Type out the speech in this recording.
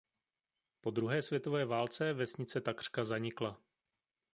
Po druhé světové válce vesnice takřka zanikla.